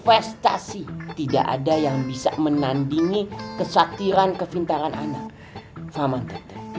assalamualaikum pak ustadz